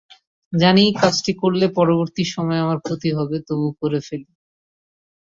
জানি, কাজটি করলে পরবর্তী সময়ে আমার ক্ষতি হবে, তবু করে ফেলি।